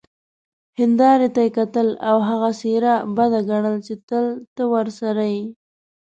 هیندارې ته کتل او هغه څیره بده ګڼل چې تل ته ورسره يې،